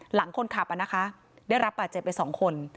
หลังคนขับนะคะได้รับบาดเจ็บไป๒คน